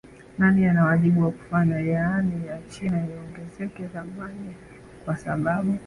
nani ana wajibu wa kufanya yuani ya china iongezeke dhamani kwa sababu